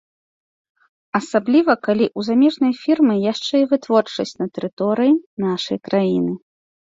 Асабліва калі ў замежнай фірмы яшчэ і вытворчасць на тэрыторыі нашай краіны.